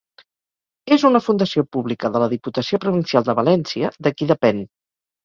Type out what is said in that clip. És una fundació pública de la Diputació Provincial de València, de qui depén.